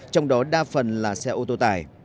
trong đó đa phần là xe ô tô tải